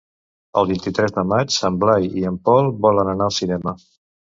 El vint-i-tres de maig en Blai i en Pol volen anar al cinema.